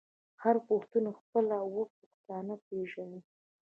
هر پښتون خپل اوه پيښته پیژني.